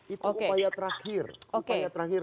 itu upaya terakhir